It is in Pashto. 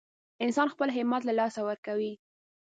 انسان خپل همت له لاسه ورکوي.